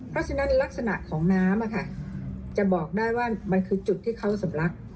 เพราะฉะนั้นลักษณะของน้ำจะบอกได้ว่ามันคือจุดที่เขาสำลัก